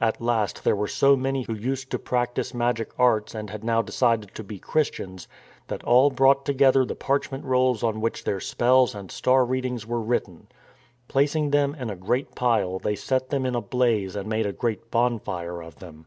At last there were so many who used to practise ^magic arts and had now decided to be Christians, that all brought together the parchment rolls on which their spells and star readings were written. Placing them in a great pile they set them in a blaze and made a great bonfire of them.